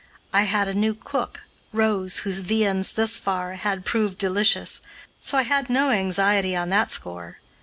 I had a new cook, Rose, whose viands, thus far, had proved delicious, so I had no anxiety on that score.